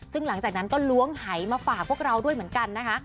ซึ่งหลังจากนั้นก็ล้วงหายมาฝากพวกเราด้วยเหมือนกันนะคะ